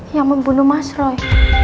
yang membunuh mas roy